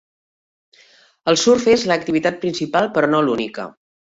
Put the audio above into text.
El surf és l'activitat principal però no l'única.